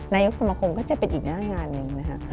นายกสมคมก็จะเป็นอีกหน้างานหนึ่งนะคะ